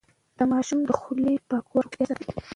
د ماشوم د خولې پاکوالی روغتيا ساتي.